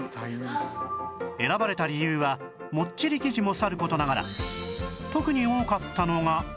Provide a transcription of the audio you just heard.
選ばれた理由はもっちり生地も去る事ながら特に多かったのが